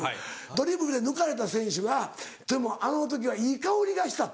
ドリブルで抜かれた選手が「でもあの時はいい香りがした。